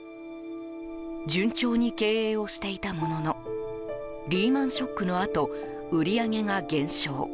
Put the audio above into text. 順調に経営をしていたもののリーマン・ショックのあと売り上げが減少。